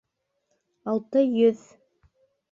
Алты йөҙ!